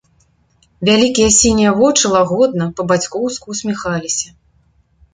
Вялікія сінія вочы лагодна, па-бацькоўску, усміхаліся.